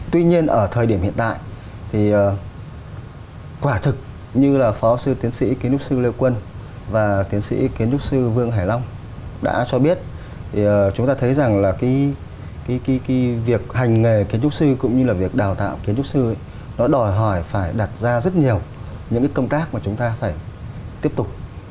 tuy nhiên ở thời điểm hiện tại thì quả thực như là phó sư tiến sĩ kiến trúc sư lê quân và tiến sĩ kiến trúc sư vương hải long đã cho biết thì chúng ta thấy rằng là cái việc hành nghề kiến trúc sư cũng như là việc đào tạo kiến trúc sư nó đòi hỏi phải đặt ra rất nhiều những cái công tác mà chúng ta phải tiếp tục